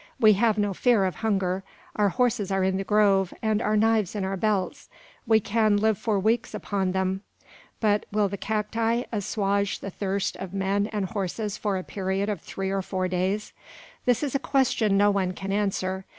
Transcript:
We have no fear of hunger. Our horses are in the grove, and our knives in our belts. We can, live for weeks upon them; but will the cacti assuage the thirst of men and horses for a period of three or four days? This is a question no one can answer.